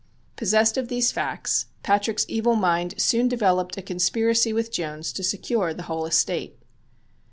Possessed of these facts Patrick's evil mind soon developed a conspiracy with Jones to secure the whole estate.